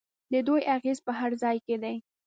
د دوی اغیز په هر ځای کې دی.